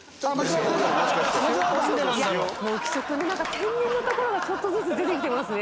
天然なところがちょっとずつ出てきてますね。